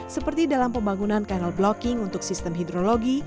seperti dalam pembangunan kanal blocking untuk sistem hidrologi